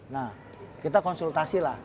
nah kita konsultasi lah